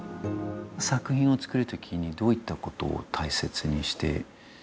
作品を作る時にどういったことを大切にしていますか？